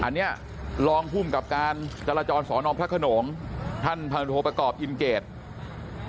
อันนี้รองภูมิกับการจราจรสอนอพระขนงท่านพันธโทประกอบอินเกต